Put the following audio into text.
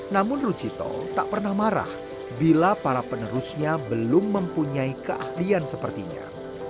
namun rujito tak pernah marah bila para penerusnya belum mempunyai keahlian sepertinya